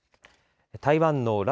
台湾の頼